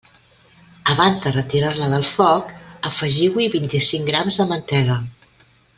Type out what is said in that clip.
Abans de retirar-la del foc, afegiu-hi vint-i-cinc grams de mantega.